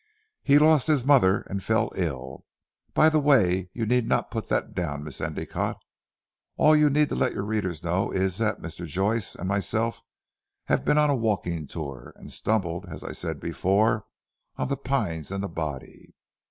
He lost his mother and fell ill by the way you need not put that down Miss Endicotte. All you need let your readers know is, that Mr. Joyce and myself have been on a walking tour, and stumbled as I said before, on the Pines, and the body."